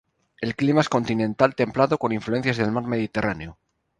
El clima es continental templado con influencias del mar Mediterráneo.